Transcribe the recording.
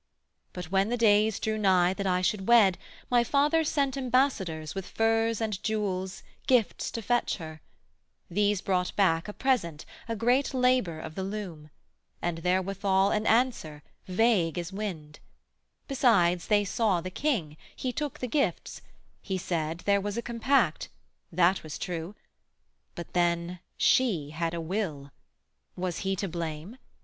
But when the days drew nigh that I should wed, My father sent ambassadors with furs And jewels, gifts, to fetch her: these brought back A present, a great labour of the loom; And therewithal an answer vague as wind: Besides, they saw the king; he took the gifts; He said there was a compact; that was true: But then she had a will; was he to blame?